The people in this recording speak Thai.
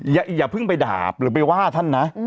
อย่าเพิ่งไปดาบหรือไปว่าท่านนะ